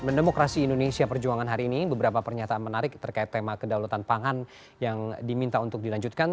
mendemokrasi indonesia perjuangan hari ini beberapa pernyataan menarik terkait tema kedaulatan pangan yang diminta untuk dilanjutkan